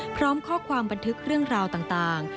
พร้อมข้อความบันทึกเรื่องราวต่าง